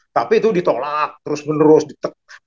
tapi itu ditolak terus menerus ditekan